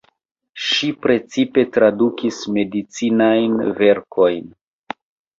Ŝi precipe tradukis medicinajn verkojn.